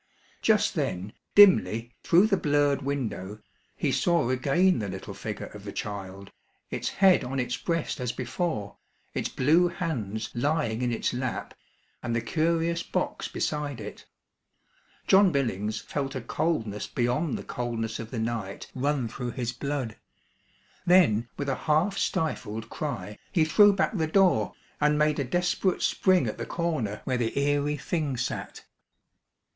Just then, dimly, through the blurred window, he saw again the little figure of the child, its head on its breast as before, its blue hands lying in its lap and the curious box beside it. John Billings felt a coldness beyond the coldness of the night run through his blood. Then, with a half stifled cry, he threw back the door, and made a desperate spring at the corner where the eerie thing sat.